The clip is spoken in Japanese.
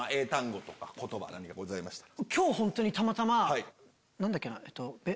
今日本当にたまたま何だっけな？